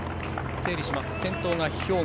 整理しますと先頭が兵庫。